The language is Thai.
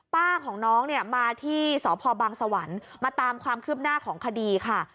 ป้าของน้องเนี่ยมาที่สพบังสวรรค์มาตามความคืบหน้าของคดีค่ะ